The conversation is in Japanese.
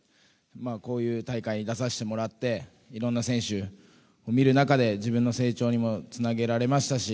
こういう大会に出させてもらっていろんな選手を見る中で自分の成長にもつなげられましたし